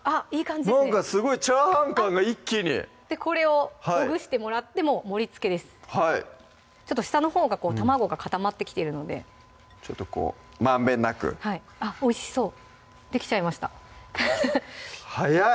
なんかすごいチャーハン感が一気にこれをほぐしてもらってもう盛りつけですちょっと下のほうが卵が固まってきてるのでちょっとこうまんべんなくあっおいしそうできちゃいました早い！